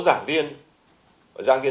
có giảng viên giỏi có nhiều hơn số giảng viên